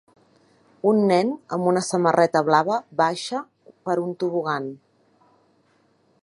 Un nen amb una samarreta blava baixa per un tobogan